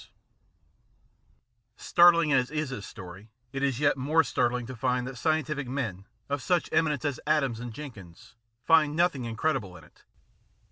IN THE ABYSS 91 Startling as is his story, it is yet more startling to find that scientific men, of such eminence as Adams and Jenkins, find nothing incredible in it.